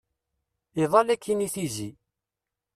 Iḍal akkin i tizi.